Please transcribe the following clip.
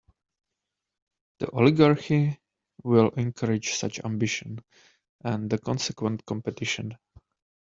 The Oligarchy will encourage such ambition and the consequent competition.